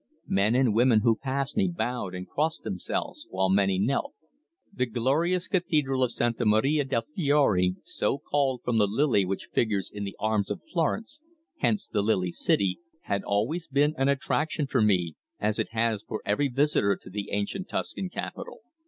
Men and women who passed me bowed and crossed themselves while many knelt. The glorious cathedral of Santa Maria del Fiore, so called from the Lily which figures in the Arms of Florence hence "the Lily City" had always an attraction for me, as it has for every visitor to the ancient Tuscan capital.